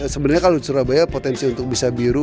sebenarnya kalau di surabaya potensi untuk bisa biru